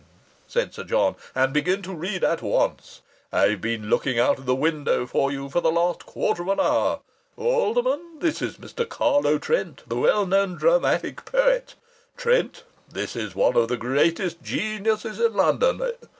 said Sir John. "And begin to read at once. I've been looking out of the window for you for the last quarter of an hour. Alderman, this is Mr. Carlo Trent, the well known dramatic poet. Trent, this is one of the greatest geniuses in London....